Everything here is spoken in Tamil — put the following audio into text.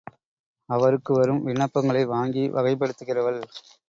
அவருக்கு வரும் விண்ணப்பங்களை வாங்கி வகைப்படுத்துகிறவள்.